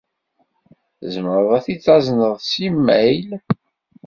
Tzemreḍ ad t-id-tazneḍ s yimayl?